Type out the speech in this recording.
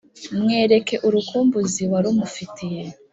mwereke urukumbuzi wari urumufitiye